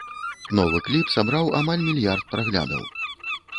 Новы кліп сабраў амаль мільярд праглядаў.